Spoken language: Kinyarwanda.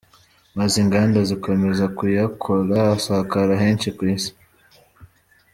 Maze inganda zikomeza kuyakora, asakara henshi ku isi.